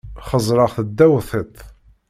Xeẓẓreɣ-t ddaw tiṭ.